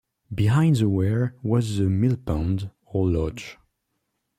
Behind the weir was the millpond, or lodge.